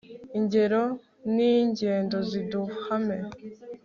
ingero n'ingendo ziduhame